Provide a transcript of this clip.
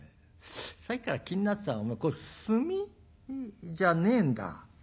さっきから気になってたお前これ墨？じゃねえんだ。